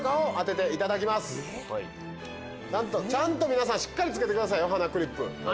皆さんしっかり着けてくださいよ鼻クリップ。